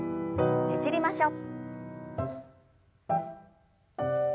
ねじりましょう。